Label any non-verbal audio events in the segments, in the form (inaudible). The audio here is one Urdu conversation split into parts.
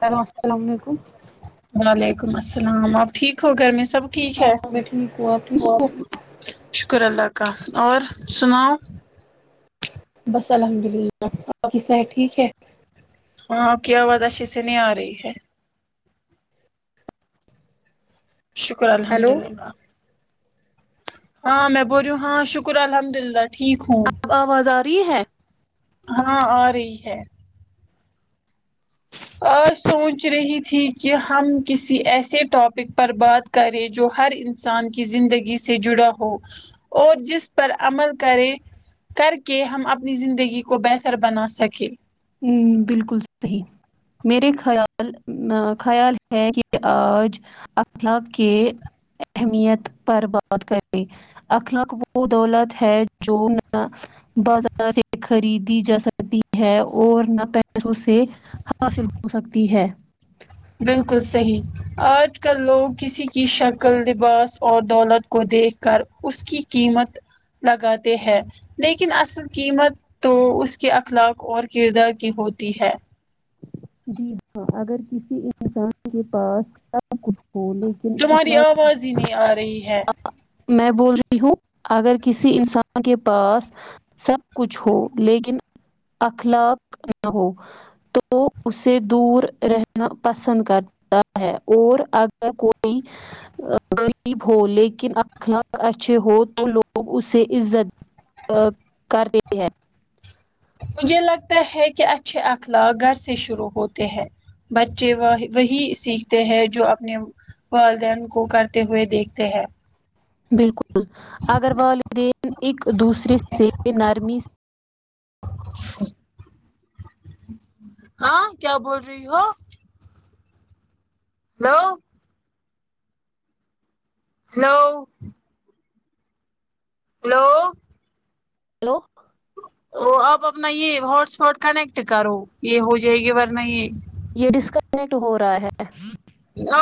ہیلو السلام علیکم وعلیکم السلام آپ ٹھیک ہو گھر میں سب ٹھیک ہے میں ٹھیک ہوں آپ ٹھیک شکر اللہ کا اور سناؤ بس الحمد للہ باقی سب ٹھیک ہے ہاں کیا آواز اچھے سے نہیں آرہی ہے شکر الحمد ہیلو للہ ہاں میں بول ریوں ہاں شکر الحمد اللہ ٹھیک ہوں آواز آ رہی ہے ہاں آرہی ہے آج سوچ رہی تھی کہ ہم کسی ایسے ٹاپک پر بات کرے جو ہر انسان کی زندگی سے جڑا ہو اور جس پر عمل کرے تا کے ہم اپنی زندگی کو بہتر بنا سکیں ہوں بالکل صحیح میرے خیال نہ خیال ہے کہ آج (unintelligible) کے اہمیت پر بات کرے اخلاق وہ دولت ہے جو نہ بازار سے خریدی جا سکتی ہے اور نہ پیسوں سے حاصل ہو سکتی ہے بالکل صحیح آج کل لوگ کسی کی شکل لباس اور دولت کو دیکھ کر اس کی قیمت لگاتے ہیں لیکن اصل قیمت تو اس کے اخلاق اور کردار کی ہوتی ہے جی ہاں اگر کسی انسان کے پاس سب کچھ ہو لیکن اخلاق تمہاری آواز ہی نہیں آ رہی ہے میں بول رہی ہوں اگر کسی انسان کے پاس سب کچھ ہو لیکن اخلاق نہ ہو تو اسے دور رہنا پسند کرتا ہے اور اگر کوئی غریب ہو لیکن اخلاق اچھے ہو تو لوگ اسے عزت ا کر دیتی ہے مجھے لگتا ہے کہ اچھے اخلاق گھر سے شروع ہوتے ہیں بچے وہ وہی سیکھتے ہیں جو اپنے والدین کو کرتے ہوئے دیکھتے ہیں بالکل اگر والدین ایک دوسرے سے نرمی سے (inaudible) ہاں کیا بول رہی ہو ہیلو ہیلو ہیلو ہیلو وہ آپ اپنا یہ ہاٹ سپاٹ کنیکٹ کرو یہ ہو جائے گی ورنہ یہ یہ ڈسکنیکٹ ہو رہا ہے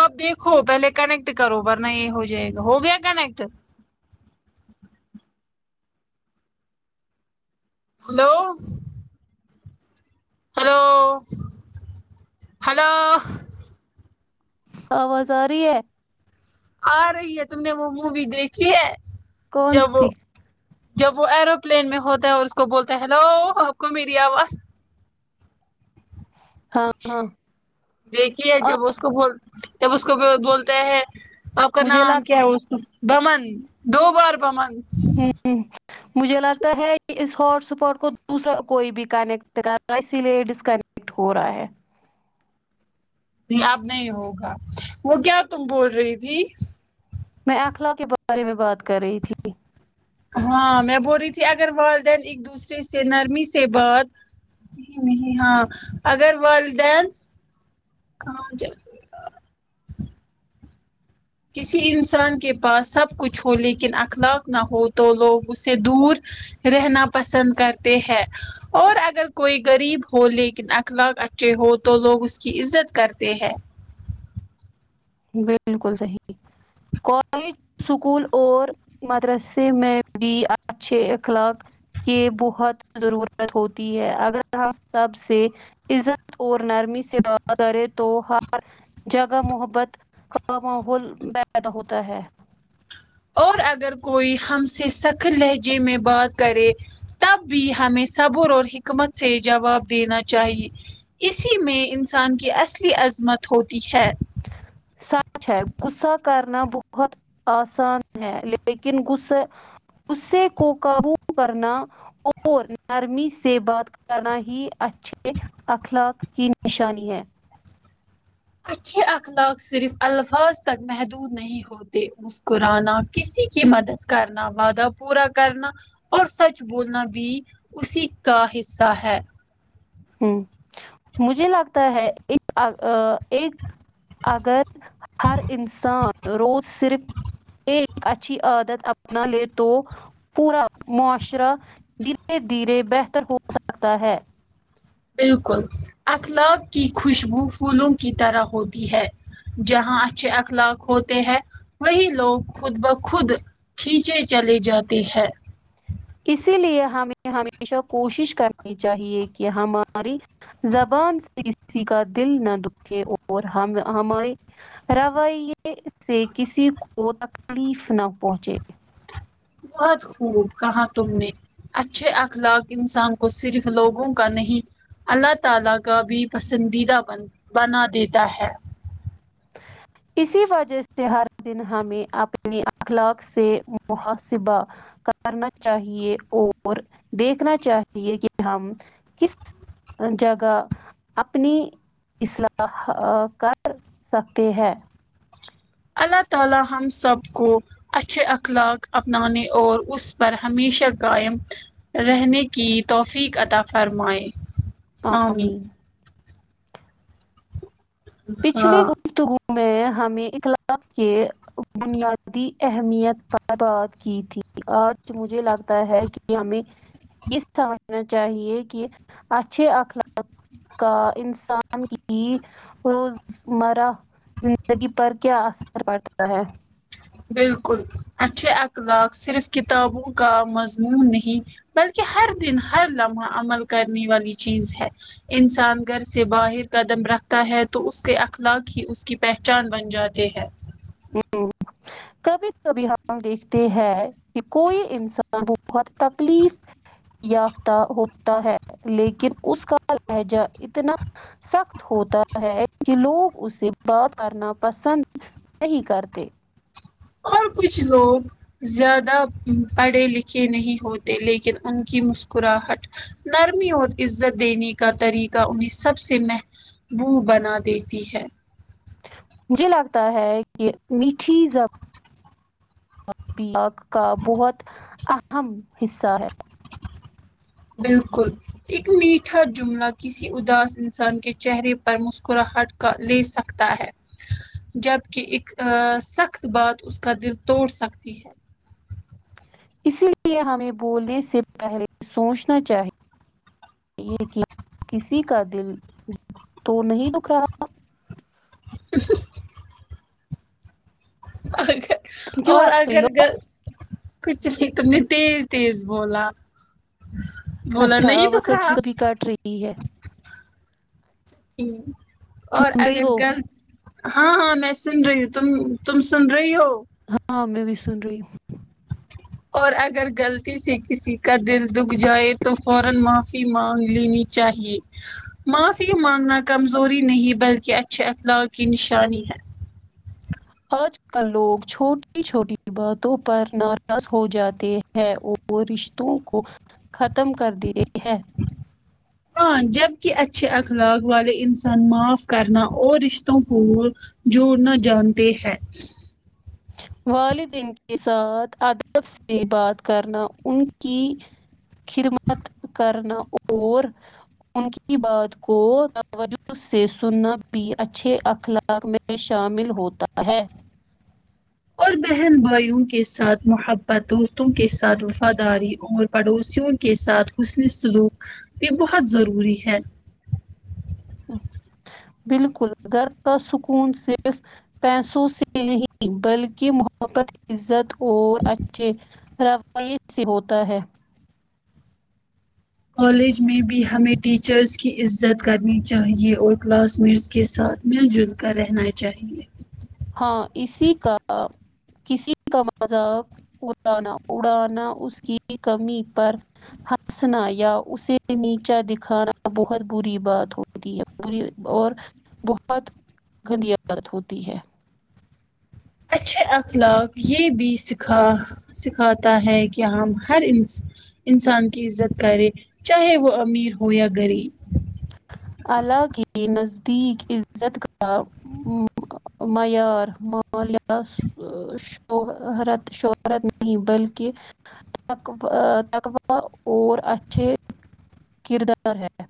آپ دیکھو پہلے کنیکٹ کرو ورنہ یہ ہو جائے گا ہو گیا کنیکٹ ہیلو ہیلو ہیلو آواز آرہی ہے آ رہی ہے تم نے وہ مووی دیکھی ہے کون جب سی جب وہ ایروپلین میں ہوتا ہے اور اس کو بولتا ہے ہیلو آپ کو میری آواز ہاں ہاں دیکھیے جب اس کو بول جب اس کو بولتےہیں آپ کا مجھے نام لگتا کیا ہے اس کا بمن دو بار بمن ہوں مجھے لگتا ہے کہ اس ہاٹ اسپاٹ کو دوسرا کوئی بھی کنیکٹ کر رہا ہے اسی لیے ڈسکنیکٹ ہو رہا ہے آب نہیں ہوگا وہ کیا تم بول رہی تھی میں اخلاق کے بارے میں بات کر رہی تھی ہاں میں بول رہی تھی اگر والدین ایک دوسرے سے نرمی سے بات نہیں نہیں ہاں اگر وال دین کسی انسان کے پاس سب کچھ ہو لیکن اخلاق نہ ہو تو لوگ اس سے دور رہنا پسند کرتے ہیں اور اگر کوئی غریب ہو لیکن اخلاق اچھے ہو تو لوگ اس کی عزت کرتے ہیں بالکل صحیح کالج سکول اور مدرسے میں بھی ا چھے اخلاق کی بہت ضرورت ہوتی ہے اگر ہم سب سے عزت اور نرمی سے بات کرے تو ہر جگہ محبت ک ماحول پیدا ہوتا ہے اور اگر کوئی ہم سے سخت لہجے میں بات کرے تب بھی ہمیں صبر اور حکمت سے جواب دینا چاہیے اسی میں انسان کی اصلی عظمت ہوتی ہے سچ ہے غصہ کرنا بہت آسان ہے لیکن ے غصے کو قابو کرنا اور نرمی سے بات کرنا ہی اچھا اچھے اخلاق کی نشانی ہے اچھے اخلاق صرف الفاظ تک محدود نہیں ہوتے مسکرانا کسی کی مدد کرنا وعدہ پورا کرنا اور سچ بولنا بھی اسی کا حصہ ہے ہ مجھے لگتا ہے ایک ایک اگر ہر انسان روز صرف یہ اچھی عادت اپنا لے تو پورا معاشرہ دھیرے دھیرے بہتر ہو سکتا ہے بالکل اخلاق کی خوشبو پھولوں کی طرح ہوتی ہے جہاں اچھے اخلاق ہوتے ہیں وہی لوگ خود بخود کھینچے چلے جاتےہے اسی لیے ہمیں ہمیشہ کوشش کرنی چاہیے کہ ہماری زبان سے کسی کا دل نہ دکھے اور ہم ہماری رویے سے کسی کو تکلیف نہ پہنچے بہت خوب کہاں تم نے اچھے اخلاق انسان کو صرف لوگوں کا نہیں اللہ تعالی کا بھی پسندیدہ بن بنا دیتا ہے اسی وجہ سے ہر دن ہمیں اپنی اخلاق سے محاسبہ کرنا چاہیے اور دیکھنا چاہیے کہ ہم کس جگہ اپنی اصلاح کر سکتے ہیں اللہ تعالی ہم سب کو اچھے اخلاق اپنانے اور اس پر ہمیشہ قائم رہنے کی توفیق عطا فرمائے آمین پچھلے ہاں گفتگو میں ہمیں اخلاق کے بنیادی اہمیت پر بات کی تھی آج مجھے لگتا ہے کہ ہمیں یہ سمجھنا چاہیے کہ اچھے اخلاق کا انسان کی روزمر زندگی پر کیا اثر پڑتا ہے بالکل اچھے اخلاق صرف کتابوں کا مضمون نہیں بلکہ ہر دن لمحہ عمل کرنے والی چیز ہے انسان گھر سے باہر قدم رکھتا ہے تو اس کے اخلاق ہی اس کی پہچان بن جاتے ہے کبھی کبھی ہم دیکھتے ہیں کہ کوئی انسان بہت تکلیف یافتہ ہوتا ہے لیکن اس کا لہجہ اتنا سخت ہوتا ہے کہ لوگ اسے بات کرنا پسند نہیں کرتے اور کچھ لوگ زیادہ پڑھے لکھے نہیں ہوتے لیکن ان کی مسکراہٹ نرمی اور عزت دینے کا طریقہ انہیں سب سے مہ مو بنا دیتی ہے مجھے لگتا ہے کہ میٹھی زب ق کا بہت اہم حصہ ہے بالکل ایک میٹھا جملہ کسی اداس انسان کے چہرے پر مسکراہٹ کر لے سکتا ہے جبک ایک سخت بات اس کا دل توڑ سکتی ہے اسی لیے ہمیں بولنے سے پہلے سوچنا چاہیے یہ کیا کسی کا دل تو نہیں دکھ رہا اگر کیوں اور ہنس رہی اگر گ کچھ نہیں تم نے تیز تیز بولا ہو بولا اچھا نہیں آواز دکھ رہا کبھی کبھی کٹ ہے اور سن رہی اگر ہو گل ہاں ہاں میں سن رہی ہوں تم تم سن رہی ہو ہاں میں بھی سن رہی ہوں اور اگر غلطی سے کسی کا دل دکھ جائے تو فورا معافی مانگ لینی چاہیے معافی مانگنا کمزوری نہیں بلکہ اچھے اخلاق کی نشانی ہے آج کل لوگ چھوٹی چھوٹی باتوں پر ناراض ہو جاتے ہے اور رشتوں کو ختم کر دی ہے ہاں جبک اچھے اخلاق والے انسان معاف کرنا اور رشتوں کوول جوڑنا جانتے ہیں والدین کے ساتھ ادب سے بات کرنا ان کی خدمت کرنا اور ان کی بات کو توجہ سے سننا بھی اچھے اخلاق میں شامل ہوتا ہے اور بہن بھائیوں کے ساتھ محبت دوستوں کے ساتھ وفاداری اور پڑوسیوں کے ساتھ حسن سلوک بھی بہت ضروری ہے بالکل گھر کا سکون صرف پیسوں سے نہیں بلکہ محبت عزت اور اچھے رویت سے ہوتا ہے کالج میں بھی ہمیں ٹیچرس کی عزت کرنی چاہیے اور کلاس میٹس کے ساتھ مل جل کر رہنا چاہیے ہاں اسی کا کسی کا مذاق اڑانا اڑانا اس کی کمی پر ہنسنا یا اسے نیچا دکھانا بہت بری بات ہو ہوتی ہے پوری اور بہت گندی بات ہوتی ہے اچھے اخلاق یہ بھی سکھا سکھاتا ہے کہ ہم ہر انس انسان کی عزت کرے چاہے وہ امیر ہو یا غریب الله کے نزدیک عزت کا (unintelligible) شہرت شہرت نہیں بلکہ تکبا اور اچھے کردار ہے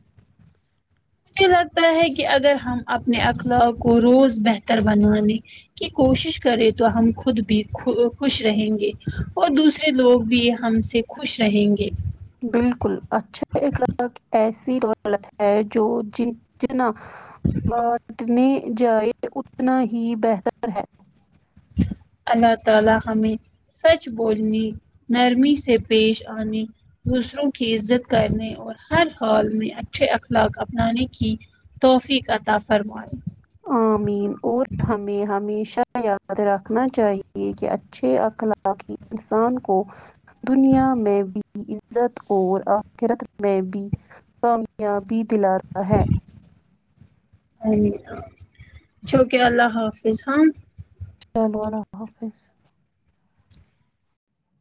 مجھے لگتا ہے کہ اگر ہم اپنے اخلاق کو روز بہتر بنوانے کی کوشش کرے تو ہم خود بھی خوش رہیں گے اور دوسرے لوگ بھی ہم سے خوش رہیں گے بالکل اچھا اخلاق ایسی دولت ہے جو جن بانٹنے جائے اتنا ہی بہتر ہے اللہ تعالی حمے سچ بولنی نرمی سے پیش آنی دوسروں کی عزت کرنے اور ہر ہال میں اچھے اخلاق اپنانے کی توحفیق عطا فرمائے آمین اور ہمیں ہمیشہ یاد رکھنا چاہیے کہ اچھے اقلاق تاکہ انسان کو دنیا میں بھی عزت اور آخرت میں بھی کامیابی دلا تا ہے امین جو کہ اللہ حافظ ہاں (unintelligible)